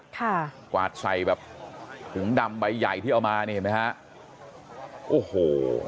กวาดใส่แบบถุงดำใบใหญ่ที่เอามานี่เห็นไหมฮะโอ้โห